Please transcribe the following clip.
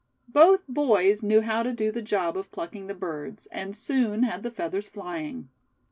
Both boys knew how to do the job of plucking the birds, and soon had the feathers flying.